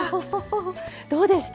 どうでした？